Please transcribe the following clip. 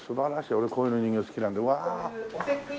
俺こういう人形好きなんだよ。